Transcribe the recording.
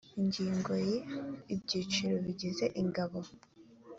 ingingo ya…: ibyiciro bigize ingabo